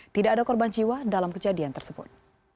tidak ada korban jiwa dalam kejadian tersebut